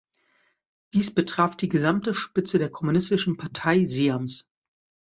Dies betraf die gesamte Spitze der Kommunistischen Partei Siams.